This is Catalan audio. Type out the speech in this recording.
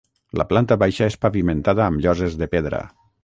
La planta baixa és pavimentada amb lloses de pedra.